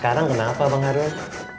kamu mau kemana pur